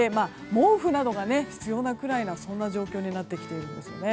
毛布などが必要なくらいなそんな状況になってきています。